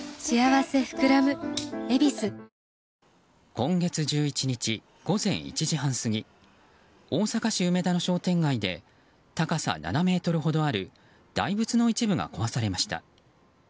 今月１１日、午前１時半過ぎ大阪市梅田の商店街で高さ７ｍほどある大仏の一部が壊されました。